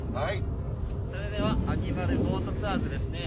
それではアニマルボートツアーズですね。